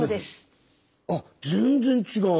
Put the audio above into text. あ全然違う。